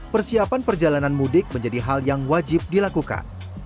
persiapan perjalanan mudik menjadi hal yang wajib dilakukan